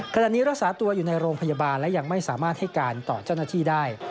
ขณะนี้รักษาตัวอยู่ในโรงพยาบาลและยังไม่สามารถให้การต่อเจ้าหน้าที่ได้